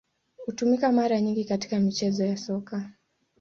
Hutumika mara nyingi katika michezo ya Soka.